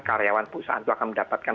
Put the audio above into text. karyawan perusahaan itu akan mendapatkan